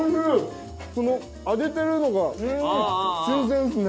この揚げてるのが新鮮ですね。